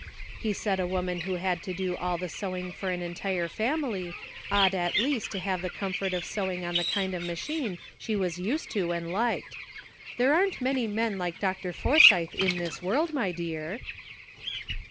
He said a woman who had to do all the sewing for an entire family ought at least to have the comfort of sewing on the kind of machine she was used to and liked. There aren't many men like Dr. Forsythe in this world, my dear."